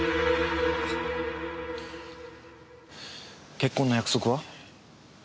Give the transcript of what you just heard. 結婚の約束は？